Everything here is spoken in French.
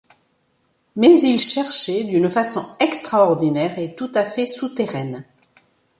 Mais il cherchait d’une façon extraordinaire et tout à fait souterraine.